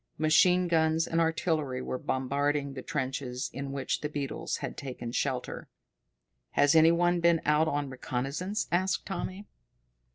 Machine guns and artillery were bombarding the trenches in which the beetles had taken shelter. "Has any one been out on reconnaissance?" asked Tommy.